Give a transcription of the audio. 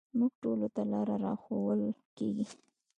موږ ټولو ته لاره راښوول کېږي.